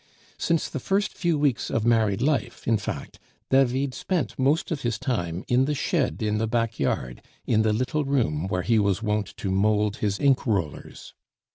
Since the first few weeks of married life, in fact, David spent most of his time in the shed in the backyard, in the little room where he was wont to mould his ink rollers.